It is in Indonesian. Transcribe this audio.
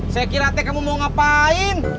saya kira tk kamu mau ngapain